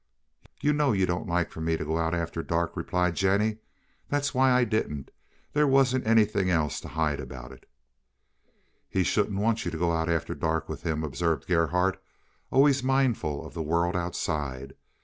"You know you don't like for me to go out after dark," replied Jennie. "That's why I didn't. There wasn't anything else to hide about it." "He shouldn't want you to go out after dark with him," observed Gerhardt, always mindful of the world outside.